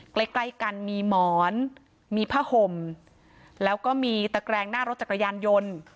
ใกล้ใกล้กันมีหมอนมีผ้าห่มแล้วก็มีตะแกรงหน้ารถจักรยานยนต์